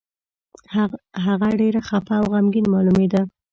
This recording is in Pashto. هغه ډېر خپه او غمګين مالومېده.